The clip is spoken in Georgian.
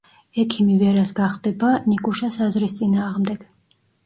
ექიმი ვერას გახდება ნიკუშას აზრის წინააღმდეგ.